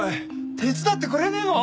手伝ってくれねえの？